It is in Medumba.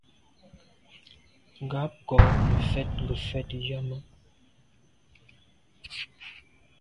Ngab kô nefèt ngefet yàme.